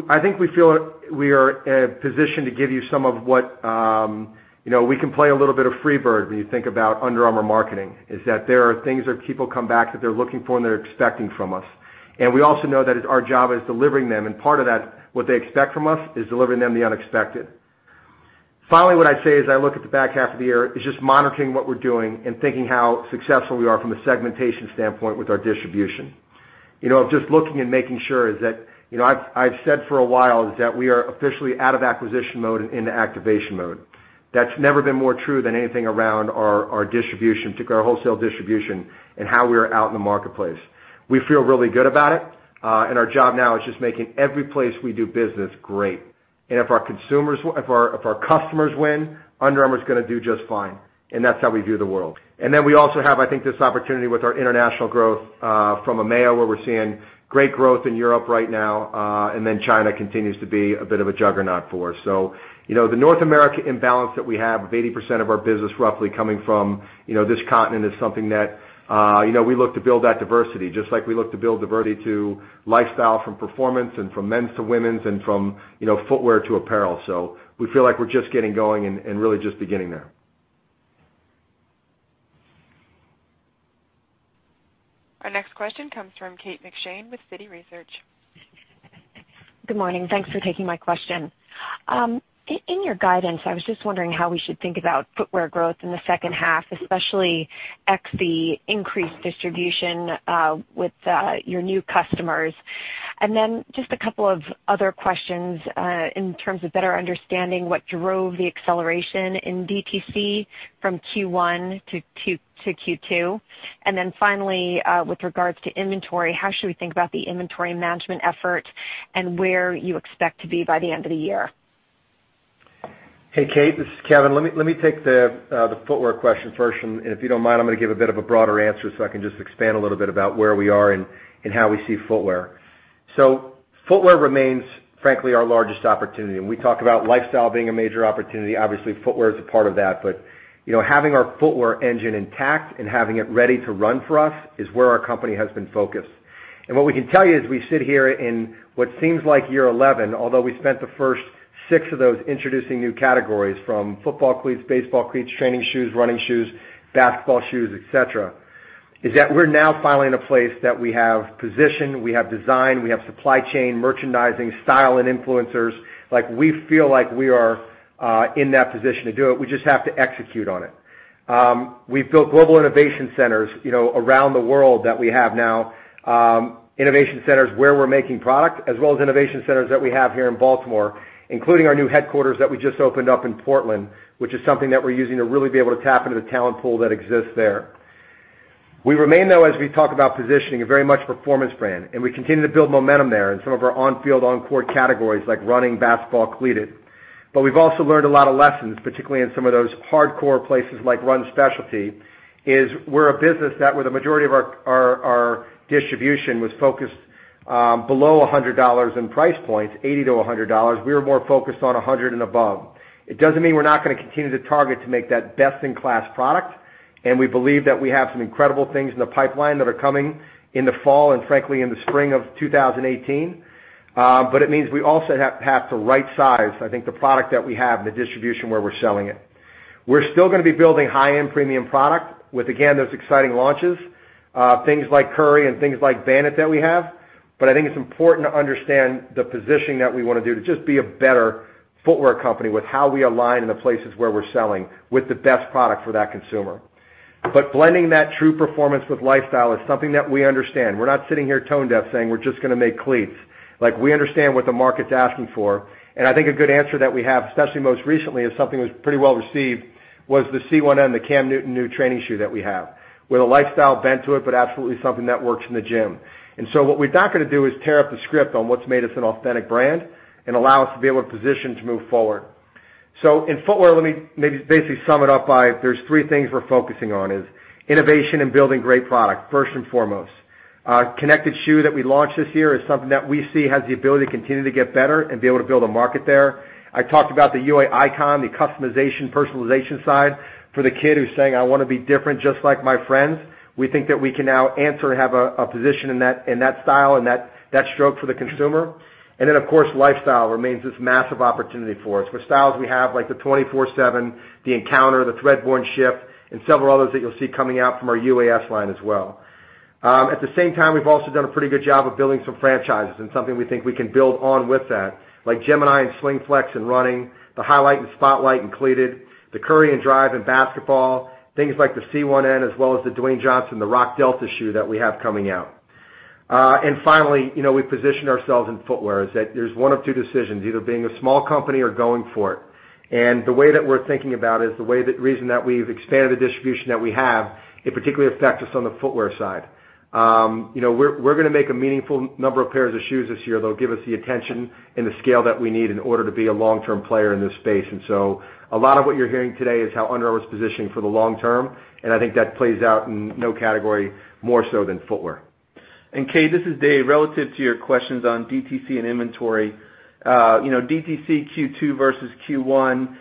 I think we feel we are in a position to give you some of what. We can play a little bit of Freebird when you think about Under Armour marketing, that there are things that people come back that they're looking for and they're expecting from us. We also know that our job is delivering them, and part of that, what they expect from us, is delivering them the unexpected. Finally, what I'd say as I look at the back half of the year is just monitoring what we're doing and thinking how successful we are from a segmentation standpoint with our distribution, of just looking and making sure that, I've said for a while that we are officially out of acquisition mode and into activation mode. That's never been more true than anything around our distribution, particularly our wholesale distribution, and how we are out in the marketplace. We feel really good about it, and our job now is just making every place we do business great. If our customers win, Under Armour is going to do just fine, and that's how we view the world. We also have, I think, this opportunity with our international growth, from EMEA, where we're seeing great growth in Europe right now, and then China continues to be a bit of a juggernaut for us. The North America imbalance that we have of 80% of our business roughly coming from this continent is something that we look to build that diversity, just like we look to build diversity to lifestyle from performance and from men's to women's and from footwear to apparel. We feel like we're just getting going and really just beginning there. Our next question comes from Kate McShane with Citi Research. Good morning. Thanks for taking my question. In your guidance, I was just wondering how we should think about footwear growth in the second half, especially ex the increased distribution, with your new customers. Just a couple of other questions, in terms of better understanding what drove the acceleration in DTC from Q1 to Q2. Finally, with regards to inventory, how should we think about the inventory management effort and where you expect to be by the end of the year? Hey, Kate, this is Kevin. Let me take the footwear question first. If you don't mind, I am going to give a bit of a broader answer so I can just expand a little bit about where we are and how we see footwear. Footwear remains, frankly, our largest opportunity. We talk about lifestyle being a major opportunity. Obviously, footwear is a part of that. Having our footwear engine intact and having it ready to run for us is where our company has been focused. What we can tell you as we sit here in what seems like year 11, although we spent the first six of those introducing new categories from football cleats, baseball cleats, training shoes, running shoes, basketball shoes, et cetera. We are now finally in a place that we have position, we have design, we have supply chain, merchandising, style, and influencers. We feel like we are in that position to do it. We just have to execute on it. We have built global innovation centers around the world that we have now, innovation centers where we are making product, as well as innovation centers that we have here in Baltimore, including our new headquarters that we just opened up in Portland, which is something that we are using to really be able to tap into the talent pool that exists there. We remain, though, as we talk about positioning, a very much performance brand. We continue to build momentum there in some of our on-field, on-court categories like running, basketball, cleated. We have also learned a lot of lessons, particularly in some of those hardcore places like run specialty. We are a business where the majority of our distribution was focused below $100 in price points, $80 to $100. We are more focused on $100 and above. It does not mean we are not going to continue to target to make that best-in-class product. We believe that we have some incredible things in the pipeline that are coming in the fall and frankly, in the spring of 2018. It means we also have to right size, I think, the product that we have and the distribution where we are selling it. We are still going to be building high-end premium product with, again, those exciting launches, things like Curry and things like Bandit that we have. I think it is important to understand the positioning that we want to do to just be a better footwear company with how we align in the places where we are selling with the best product for that consumer. Blending that true performance with lifestyle is something that we understand. We are not sitting here tone-deaf saying we are just going to make cleats. We understand what the market is asking for, and I think a good answer that we have, especially most recently, is something that was pretty well-received, was the C1N, the Cam Newton new training shoe that we have, with a lifestyle bent to it, but absolutely something that works in the gym. What we're not going to do is tear up the script on what's made us an authentic brand and allow us to be able to position to move forward. In footwear, let me maybe basically sum it up by there's three things we're focusing on is innovation and building great product, first and foremost. Connected shoe that we launched this year is something that we see has the ability to continue to get better and be able to build a market there. I talked about the UA Icon, the customization, personalization side for the kid who's saying, "I want to be different just like my friends." We think that we can now answer and have a position in that style and that stroke for the consumer. Of course, lifestyle remains this massive opportunity for us. With styles we have like the 24 Seven, the Street Encounter, the Threadborne Shift, and several others that you'll see coming out from our UAS line as well. At the same time, we've also done a pretty good job of building some franchises and something we think we can build on with that, like Gemini and Slingflex in running, the Highlight and Spotlight in cleated, the Curry and Drive in basketball, things like the C1N, as well as the Dwayne Johnson, Project Rock Delta shoe that we have coming out. We positioned ourselves in footwear. There's one of two decisions, either being a small company or going for it. The reason that we've expanded the distribution that we have, it particularly affects us on the footwear side. We're going to make a meaningful number of pairs of shoes this year that'll give us the attention and the scale that we need in order to be a long-term player in this space. A lot of what you're hearing today is how Under Armour is positioning for the long term, and I think that plays out in no category more so than footwear. Kate, this is Dave. Relative to your questions on DTC and inventory, DTC Q2 versus Q1,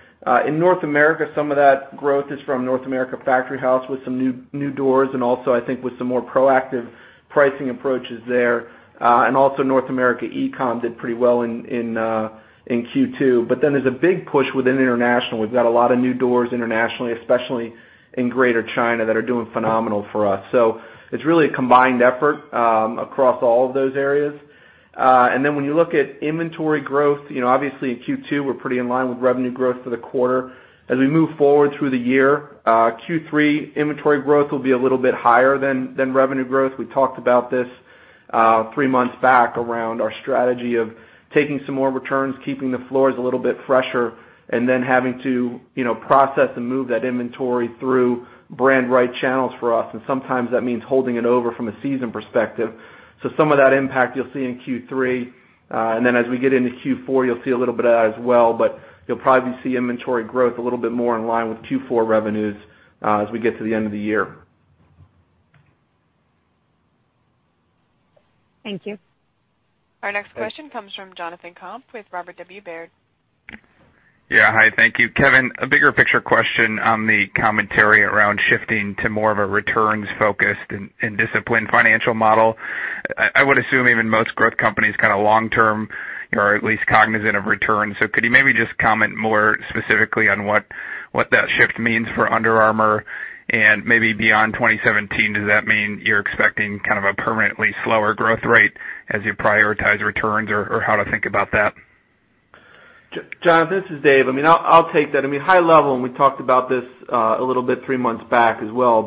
in North America, some of that growth is from North America Factory House with some new doors and also I think with some more proactive pricing approaches there. Also North America E-com did pretty well in Q2. There's a big push within international. We've got a lot of new doors internationally, especially in Greater China, that are doing phenomenal for us. It's really a combined effort across all of those areas. When you look at inventory growth, obviously in Q2, we're pretty in line with revenue growth for the quarter. As we move forward through the year, Q3 inventory growth will be a little bit higher than revenue growth. We talked about this three months back around our strategy of taking some more returns, keeping the floors a little bit fresher, and then having to process and move that inventory through brand-right channels for us, and sometimes that means holding it over from a season perspective. Some of that impact you'll see in Q3. As we get into Q4, you'll see a little bit of that as well, but you'll probably see inventory growth a little bit more in line with Q4 revenues as we get to the end of the year. Thank you. Our next question comes from Jonathan Komp with Robert W. Baird. Hi, thank you. Kevin, a bigger picture question on the commentary around shifting to more of a returns-focused and disciplined financial model. I would assume even most growth companies kind of long-term are at least cognizant of returns. Could you maybe just comment more specifically on what that shift means for Under Armour? Maybe beyond 2017, does that mean you're expecting kind of a permanently slower growth rate as you prioritize returns, or how to think about that? Jon, this is Dave. I'll take that. High level, we talked about this a little bit three months back as well,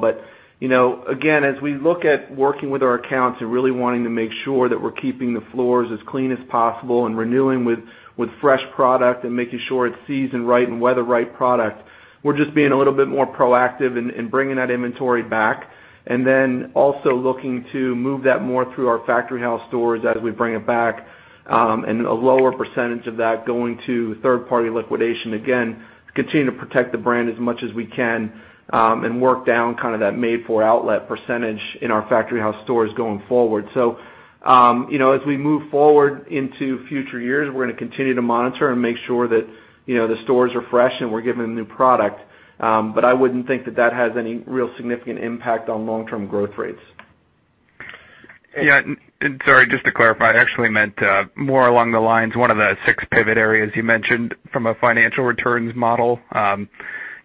again, as we look at working with our accounts and really wanting to make sure that we're keeping the floors as clean as possible and renewing with fresh product and making sure it's season-right and weather-right product, we're just being a little bit more proactive in bringing that inventory back. Also looking to move that more through our Factory House stores as we bring it back, a lower percentage of that going to third-party liquidation, again, to continue to protect the brand as much as we can and work down that made-for-outlet percentage in our Factory House stores going forward. As we move forward into future years, we're going to continue to monitor and make sure that the stores are fresh and we're giving them new product. I wouldn't think that that has any real significant impact on long-term growth rates. Yeah, sorry, just to clarify, I actually meant more along the lines, one of the six pivot areas you mentioned from a financial returns model,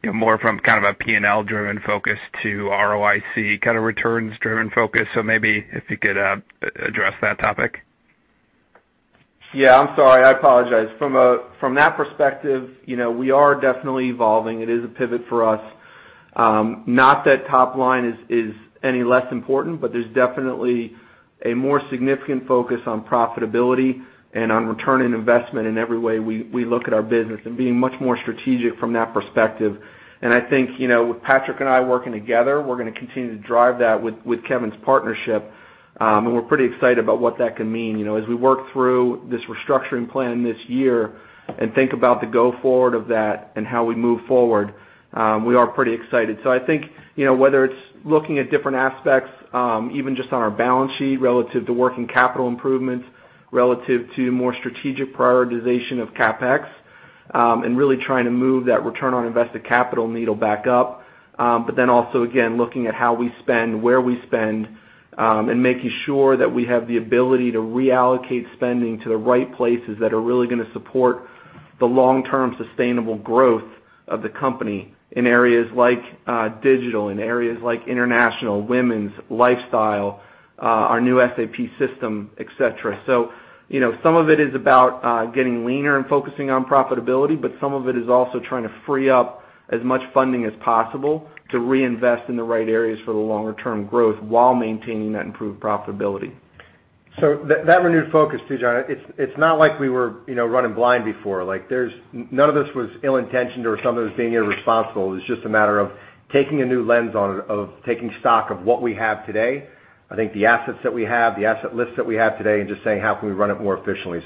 more from kind of a P&L-driven focus to ROIC kind of returns-driven focus. Maybe if you could address that topic. Yeah, I'm sorry. I apologize. From that perspective, we are definitely evolving. It is a pivot for us. Not that top line is any less important, there's definitely a more significant focus on profitability and on return on investment in every way we look at our business and being much more strategic from that perspective. I think with Patrik and I working together, we're going to continue to drive that with Kevin's partnership, we're pretty excited about what that can mean. We work through this restructuring plan this year and think about the go forward of that and how we move forward, we are pretty excited. I think, whether it's looking at different aspects, even just on our balance sheet relative to working capital improvements, relative to more strategic prioritization of CapEx, and really trying to move that return on invested capital needle back up. Also, again, looking at how we spend, where we spend, and making sure that we have the ability to reallocate spending to the right places that are really going to support the long-term sustainable growth of the company in areas like digital, in areas like international, women's, lifestyle, our new SAP system, et cetera. Some of it is about getting leaner and focusing on profitability, but some of it is also trying to free up as much funding as possible to reinvest in the right areas for the longer-term growth while maintaining that improved profitability. That renewed focus, too, Jon, it's not like we were running blind before. None of this was ill-intentioned or some of this being irresponsible. It was just a matter of taking a new lens on, of taking stock of what we have today. I think the assets that we have, the asset lists that we have today, and just saying, how can we run it more efficiently?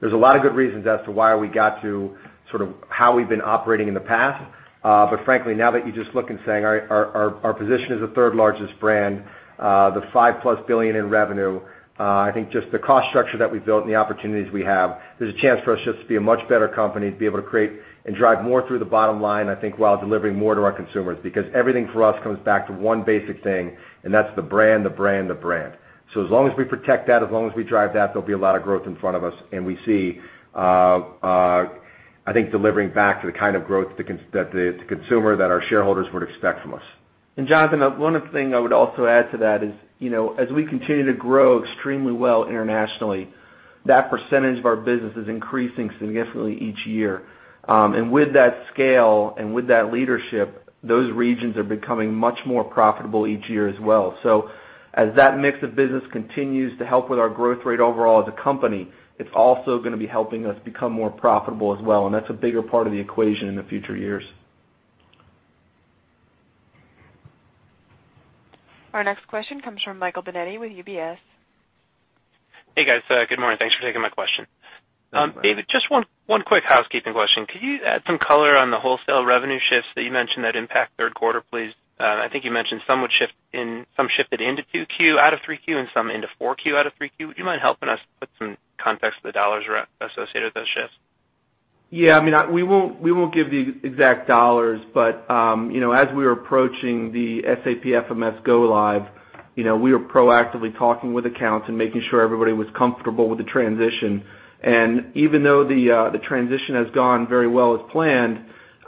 There's a lot of good reasons as to why we got to sort of how we've been operating in the past. Frankly, now that you just look and saying our position as the third largest brand, the $5-plus billion in revenue, I think just the cost structure that we've built and the opportunities we have, there's a chance for us just to be a much better company, to be able to create and drive more through the bottom line, I think, while delivering more to our consumers. Because everything for us comes back to one basic thing, and that's the brand. As long as we protect that, as long as we drive that, there'll be a lot of growth in front of us, and we see, I think, delivering back to the kind of growth to consumer that our shareholders would expect from us. Jonathan, one other thing I would also add to that is, as we continue to grow extremely well internationally- That percentage of our business is increasing significantly each year. With that scale and with that leadership, those regions are becoming much more profitable each year as well. As that mix of business continues to help with our growth rate overall as a company, it's also going to be helping us become more profitable as well, and that's a bigger part of the equation in the future years. Our next question comes from Michael Binetti with UBS. Hey, guys. Good morning. Thanks for taking my question. No problem. David, just one quick housekeeping question. Could you add some color on the wholesale revenue shifts that you mentioned that impact third quarter, please? I think you mentioned some shifted into 2Q out of 3Q and some into 4Q out of 3Q. Would you mind helping us put some context to the dollars associated with those shifts? We won't give the exact dollars, as we were approaching the SAP FMS go-live, we were proactively talking with accounts and making sure everybody was comfortable with the transition. Even though the transition has gone very well as planned,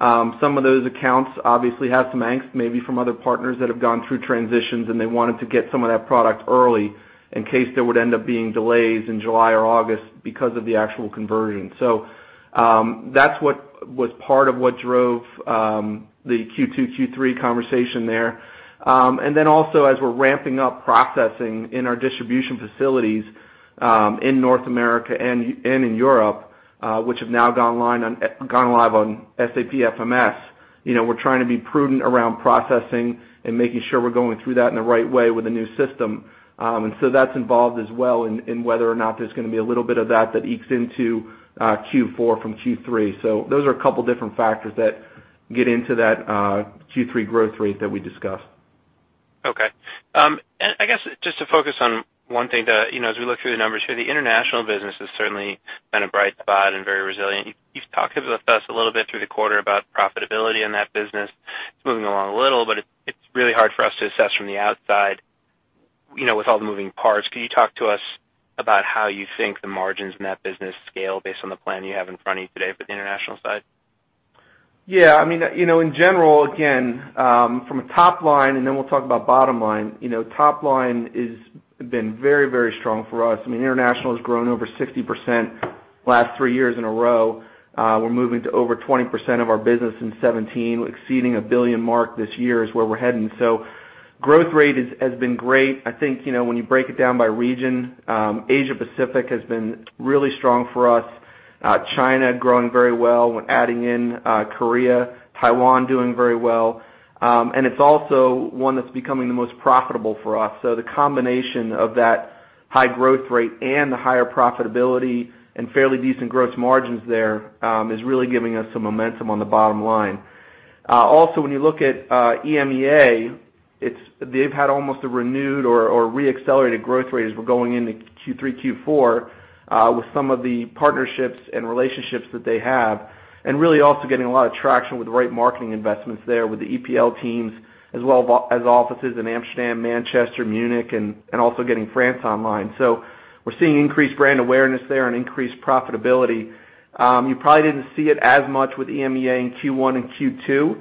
some of those accounts obviously had some angst, maybe from other partners that have gone through transitions, and they wanted to get some of that product early in case there would end up being delays in July or August because of the actual conversion. That's what was part of what drove the Q2, Q3 conversation there. Also as we're ramping up processing in our distribution facilities in North America and Europe, which have now gone live on SAP FMS, we're trying to be prudent around processing and making sure we're going through that in the right way with the new system. That's involved as well in whether or not there's going to be a little bit of that that ekes into Q4 from Q3. Those are a couple different factors that get into that Q3 growth rate that we discussed. I guess, just to focus on one thing, as we look through the numbers here, the international business is certainly been a bright spot and very resilient. You've talked with us a little bit through the quarter about profitability in that business. It's moving along a little, but it's really hard for us to assess from the outside with all the moving parts. Could you talk to us about how you think the margins in that business scale based on the plan you have in front of you today for the international side? In general, again, from a top line, we'll talk about bottom line. Top line has been very strong for us. International has grown over 60% the last three years in a row. We're moving to over 20% of our business in 2017. Exceeding a $1 billion mark this year is where we're heading. Growth rate has been great. I think, when you break it down by region, Asia Pacific has been really strong for us. China growing very well. We're adding Korea, Taiwan doing very well. It's also one that's becoming the most profitable for us. The combination of that high growth rate and the higher profitability and fairly decent gross margins there, is really giving us some momentum on the bottom line. When you look at EMEA, they've had almost a renewed or re-accelerated growth rate as we're going into Q3, Q4 with some of the partnerships and relationships that they have. Really also getting a lot of traction with the right marketing investments there with the EPL teams, as well as offices in Amsterdam, Manchester, Munich, and also getting France online. We're seeing increased brand awareness there and increased profitability. You probably didn't see it as much with EMEA in Q1 and Q2.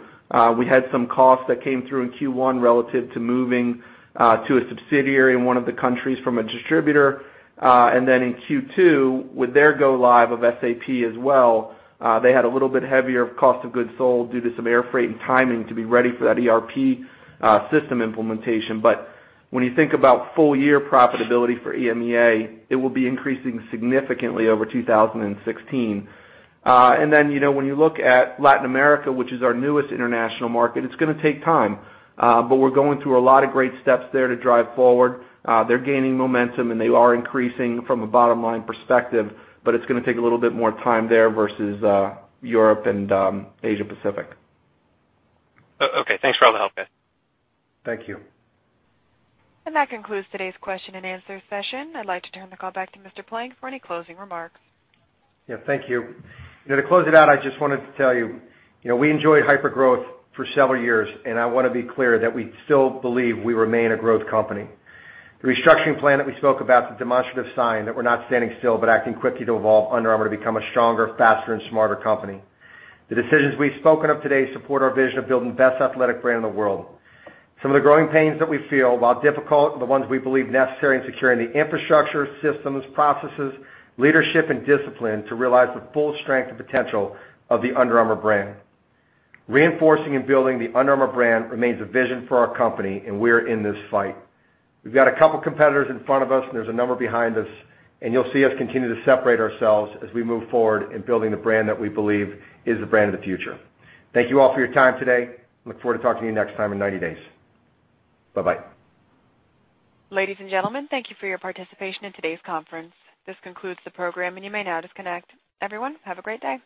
We had some costs that came through in Q1 relative to moving to a subsidiary in one of the countries from a distributor. In Q2, with their go live of SAP as well, they had a little bit heavier cost of goods sold due to some air freight and timing to be ready for that ERP system implementation. When you think about full year profitability for EMEA, it will be increasing significantly over 2016. When you look at Latin America, which is our newest international market, it's going to take time. We're going through a lot of great steps there to drive forward. They're gaining momentum, and they are increasing from a bottom-line perspective, but it's going to take a little bit more time there versus Europe and Asia Pacific. Thanks for all the help, guys. Thank you. That concludes today's question and answer session. I'd like to turn the call back to Mr. Plank for any closing remarks. Yeah, thank you. To close it out, I just wanted to tell you, we enjoyed hyper-growth for several years, and I want to be clear that we still believe we remain a growth company. The restructuring plan that we spoke about is a demonstrative sign that we're not standing still, but acting quickly to evolve Under Armour to become a stronger, faster, and smarter company. The decisions we've spoken of today support our vision of building the best athletic brand in the world. Some of the growing pains that we feel, while difficult, are the ones we believe necessary in securing the infrastructure, systems, processes, leadership, and discipline to realize the full strength and potential of the Under Armour brand. Reinforcing and building the Under Armour brand remains a vision for our company, and we are in this fight. We've got a couple competitors in front of us, and there's a number behind us, and you'll see us continue to separate ourselves as we move forward in building the brand that we believe is the brand of the future. Thank you all for your time today. Look forward to talking to you next time in 90 days. Bye-bye. Ladies and gentlemen, thank you for your participation in today's conference. This concludes the program, and you may now disconnect. Everyone, have a great day.